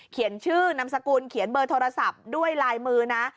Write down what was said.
เขียนชื่อนามสกุลเขียนเบอร์โทรศัพท์ด้วยลายมือนะ